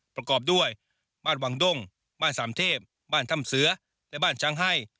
ประกอบด้วยบ้านวังด้งบ้านสามเทพบ้านถ้ำเสือและบ้านช้างให้